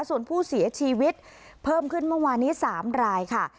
ส่วนผู้เสียชีวิตเพิ่มขึ้นเมื่อวานนี้๓รายค่ะ